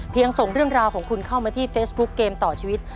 ส่งเรื่องราวของคุณเข้ามาที่เฟซบุ๊คเกมต่อชีวิต